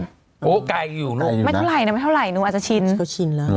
แผงโอ้ไก่อยู่ไม่เท่าไรนะไม่เท่าไรนูอาจจะชินเขาชินแล้ว